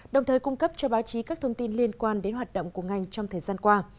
đồng thời cung cấp cho báo chí các thông tin liên quan đến hoạt động của ngành trong thời gian qua